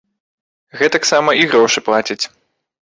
Гэтаксама і грошы плацяць.